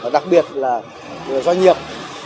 đặc biệt là doanh nghiệp